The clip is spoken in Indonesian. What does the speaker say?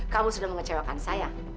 kamu sudah mengecewakan saya